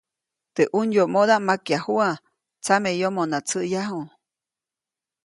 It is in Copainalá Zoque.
Teʼ ʼunyomodaʼm makyajuʼa, tsameyomona tsäʼyaju.